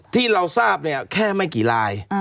ที่เราทราบเนี่ยแค่ไม่กี่ลาย